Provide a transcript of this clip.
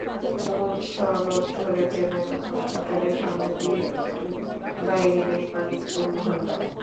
মূল সড়ক ধরে জেনারেল হাসপাতালের সামনে দিয়ে একটু বাঁয়ে গেলেই মানিকপুর মহল্লা।